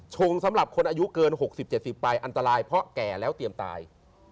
สำหรับคนอายุเกิน๖๐๗๐ไปอันตรายเพราะแก่แล้วเตรียมตาย